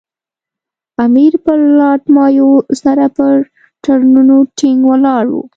امیر پر لارډ مایو سره پر تړونونو ټینګ ولاړ وو.